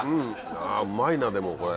あうまいなでもこれ。